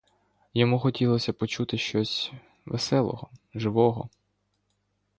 Йому хотілося почути щось веселого, живого.